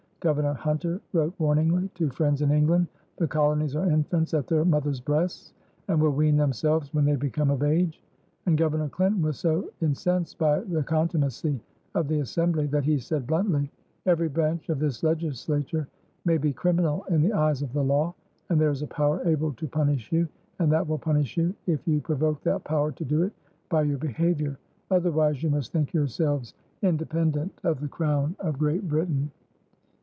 Governor Hunter wrote warningly to friends in England: "The colonies are infants at their mother's breasts and will wean themselves when they become of age." And Governor Clinton was so incensed by the contumacy of the Assembly that he said bluntly: "Every branch of this legislature may be criminal in the eyes of the law, and there is a power able to punish you and that will punish you if you provoke that power to do it by your behaviour. _Otherwise you must think yourselves independent of the crown of Great Britain!